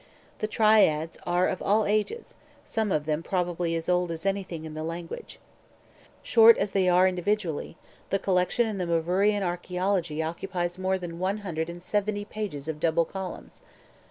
The Triads are of all ages, some of them probably as old as anything in the language. Short as they are individually, the collection in the Myvyrian Archaeology occupies more than one hundred and seventy pages of double columns.